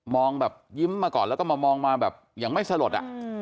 แบบยิ้มมาก่อนแล้วก็มามองมาแบบอย่างไม่สลด